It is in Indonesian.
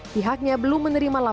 pihaknya belum menerima latihan